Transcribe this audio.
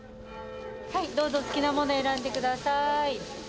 はいどうぞ好きなもの選んで下さい。